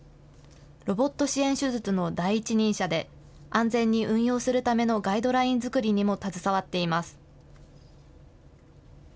ロボット支援手術の第一人者で、安全に運用するためのガイドライン作りにも携わっています。